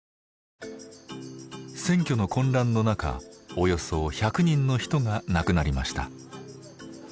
選挙の混乱の中およそ１００人の人が亡くなりました。